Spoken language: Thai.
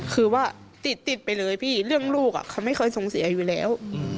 คือว่าติดติดไปเลยพี่เรื่องลูกเขาไม่เคยส่งเสียอยู่แล้ว